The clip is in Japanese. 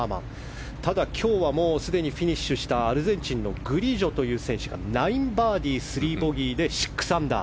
ただ、今日はすでにフィニッシュしたアルゼンチンのグリジョという選手が９バーディー３ボギーで６アンダー。